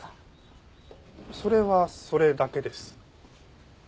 それはそれだけです。